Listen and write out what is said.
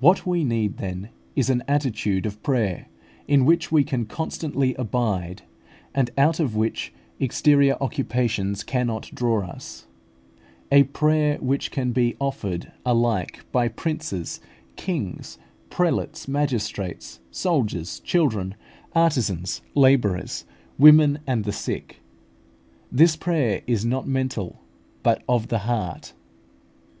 What we need, then, is an attitude of prayer, in which we can constantly abide, and out of which exterior occupations cannot draw us; a prayer which can be offered alike by princes, kings, prelates, magistrates, soldiers, children, artisans, labourers, women, and the sick. This prayer is not mental, but of the heart.